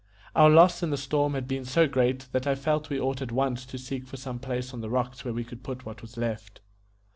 Our loss in the storm had been so great that I felt we ought at once to seek for some place on the rocks where we could put what was left.